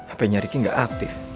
apanya ricky gak aktif